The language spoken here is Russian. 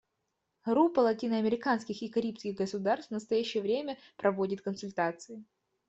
Группа латиноамериканских и карибских государств в настоящее время проводит консультации.